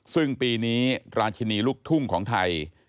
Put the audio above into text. ซึ่งปีนี้ราชินีลูกทุ่งของไทย